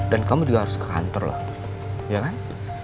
dan kamu juga harus ke kantor loh iya kan